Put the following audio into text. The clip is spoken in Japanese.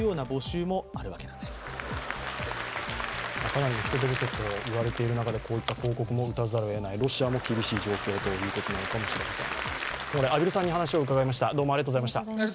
かなりの人手不足といわれている中でこういった広告も打たざるをえない、ロシアも厳しい状況ということなのかもしれません。